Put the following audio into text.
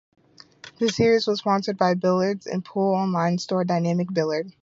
The series was sponsored by billiards and pool online store "Dynamic Billiard".